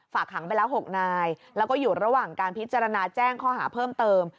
หังไปแล้ว๖นายแล้วก็อยู่ระหว่างการพิจารณาแจ้งข้อหาเพิ่มเติม